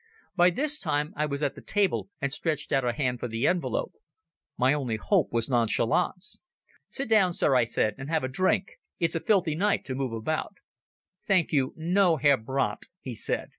By this time I was at the table and stretched out a hand for the envelope. My one hope was nonchalance. "Sit down, sir," I said, "and have a drink. It's a filthy night to move about in." "Thank you, no, Herr Brandt," he said.